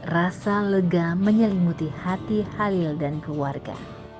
rasa lega menyelimuti hati halil dan keluarga